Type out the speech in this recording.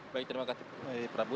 baik terima kasih pak bapak